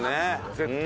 絶対。